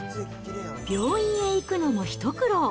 病院へ行くのも一苦労。